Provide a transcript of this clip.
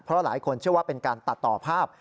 เพราะหลายคนเชื่อว่าเป็นการตัดต่อภาพ